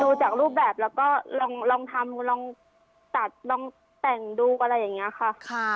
ดูจากรูปแบบแล้วก็ลองทำลองตัดลองแต่งดูอะไรอย่างนี้ค่ะ